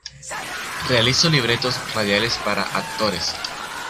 Realizó libretos radiales para actores.